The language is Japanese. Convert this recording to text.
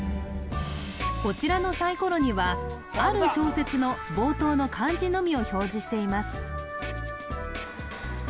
こちらのサイコロにはある小説の冒頭の漢字のみを表示しています